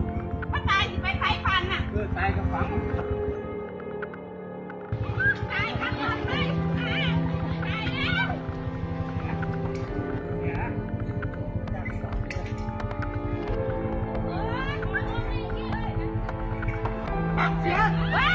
มีสองหมาออกมาที่นี่